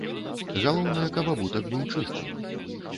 Галоўнае, каб абутак быў чысты.